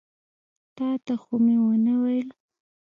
تا ته خو مې ونه ویل.